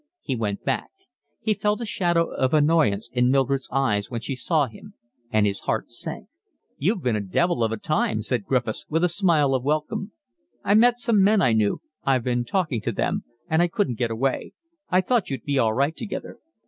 He went back. He felt a shadow of annoyance in Mildred's eyes when she saw him, and his heart sank. "You've been a devil of a time," said Griffiths, with a smile of welcome. "I met some men I knew. I've been talking to them, and I couldn't get away. I thought you'd be all right together."